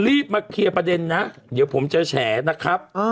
รีบมาเคลียร์ประเด็นนะเดี๋ยวผมจะแฉนะครับ